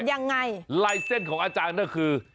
ยังไงลายเส้นของอาจารย์ก็คือ